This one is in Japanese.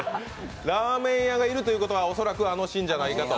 ラーメン屋がいるということは恐らくあのシーンじゃないかと。